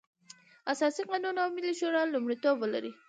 اساسي قانون او ملي شورا لومړيتوب ولري.